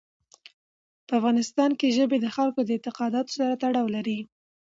په افغانستان کې ژبې د خلکو د اعتقاداتو سره تړاو لري.